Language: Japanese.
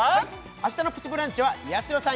明日の「プチブランチ」はやしろさん